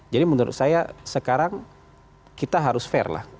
jadi menurut saya sekarang kita harus fair lah